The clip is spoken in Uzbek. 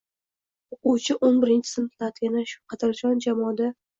Oʻquvchi o‘n birinchi sinflarda yana shu qadrdon jamoada